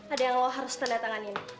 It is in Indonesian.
ada yang lo harus tanda tangan ini